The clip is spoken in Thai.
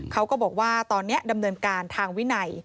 เขาก็บอกว่าตอนนี้ดำเนินการทางวินัย